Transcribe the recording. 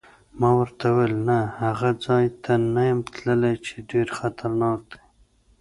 ما ورته وویل: نه، هغه ځای ته نه یم تللی چې ډېر خطرناک دی.